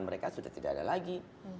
mereka sudah tidak ada lagi